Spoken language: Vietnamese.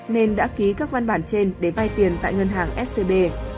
nên đã ký các văn bản trên để vai tiền tại ngân hàng scb